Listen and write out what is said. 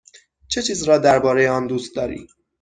چه چیز را درباره آن دوست داری؟